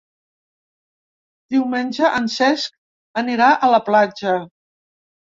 Diumenge en Cesc anirà a la platja.